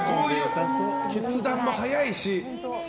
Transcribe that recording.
決断も早いし。